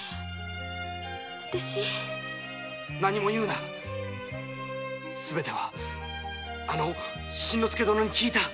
何も言うなすべてはあの新之助殿に聞いた。